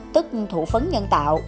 tức thủ phấn nhân tạo